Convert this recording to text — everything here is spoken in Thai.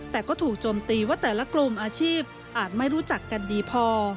แต่ก็ถูกโจมตีว่าแต่ละกลุ่มอาชีพอาจไม่รู้จักกันดีพอ